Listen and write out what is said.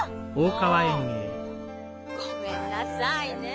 ごめんなさいね。